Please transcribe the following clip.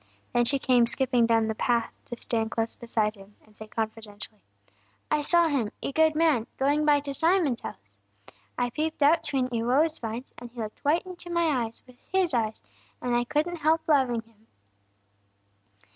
Then she came skipping down the path to stand close beside him, and say confidentially: "I saw Him 'e good man going by to Simon's house. I peeped out 'tween 'e wose vines, and He looked wite into my eyes wiv His eyes, and I couldn't help loving Him!"